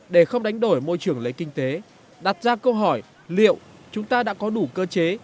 để không đánh đổi môi trường lấy kinh tế đặt ra câu hỏi liệu chúng ta đã có đủ cơ chế